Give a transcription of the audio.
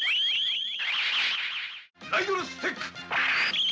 ライドルスティック！